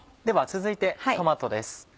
では続いてトマトです。